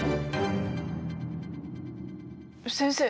先生